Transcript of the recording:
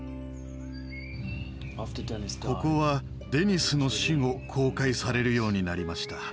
ここはデニスの死後公開されるようになりました。